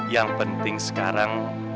yang penting sekarang